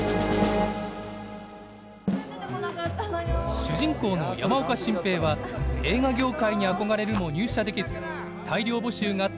主人公の山岡進平は映画業界に憧れるも入社できず大量募集があった